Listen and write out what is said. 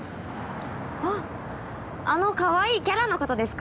あああのかわいいキャラの事ですか？